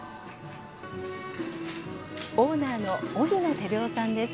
オーナーの荻野輝夫さんです。